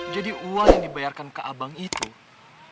jadi uang dibayarkan ke abang itu adalah